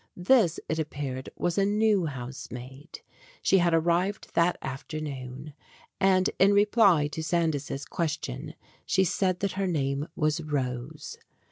This, it appeared, was a new housemaid. She had arrived that afternoon, and, in reply to Sandys' ques tion, she said that her name was Rose.